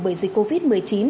bởi dịch covid một mươi chín